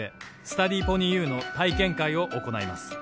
「スタディーポニーＵの体験会を行います」